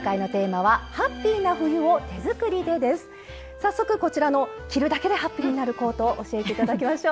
早速こちらの着るだけでハッピーになるコートを教えていただきましょう！